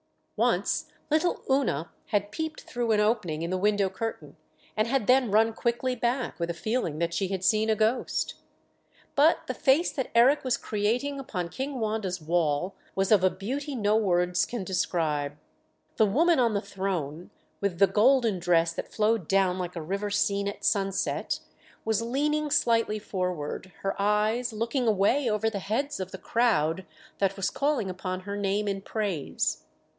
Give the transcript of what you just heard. Once little Oona had peeped through an opening in the window curtain, and had then run quickly back, with a feeling that she had seen a ghost. But the face that Eric was creating upon King Wanda's wall was of a beauty no words can describe. The woman on the throne, with the golden dress that flowed down like a river seen at sunset, was leaning slightly forward, her eyes looking away over the heads of the crowd that was calling upon her name in praise.